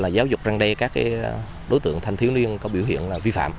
giáo dục răng đe các đối tượng thanh thiếu niên có biểu hiện vi phạm